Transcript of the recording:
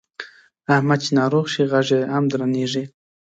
احمد چې ناروغ شي غږ یې هم درنېږي.